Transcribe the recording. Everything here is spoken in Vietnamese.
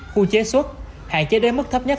khu chế xuất hạn chế đến mức thấp nhất